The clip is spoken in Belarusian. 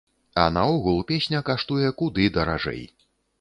А наогул, песня каштуе куды даражэй.